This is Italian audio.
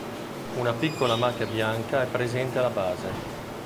Una piccola macchia bianca è presente alla base.